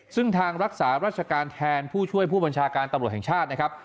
ซึ่งทางรักษาราชการแทนผู้ช่วยผู้บัญชาการตำรวจแห่งชาตินะครับ